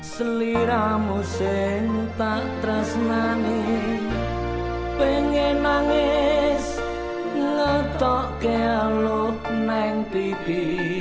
seliramu sehingga tak tersenangi pengen nangis ngetok ke aluh meneng pipi